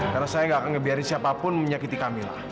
karena saya gak akan ngebiarkan siapapun menyakiti camilla